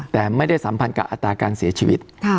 แต่ไม่ได้สัมพันธ์กับอัตราการเสียชีวิต